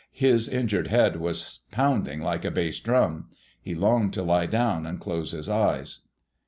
His injured head was pounding like a bass drum. He longed to lie down and close his eyes.